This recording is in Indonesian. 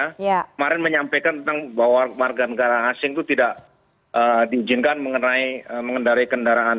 kemarin menyampaikan tentang bahwa warga negara asing itu tidak diizinkan mengenai mengendari kendaraan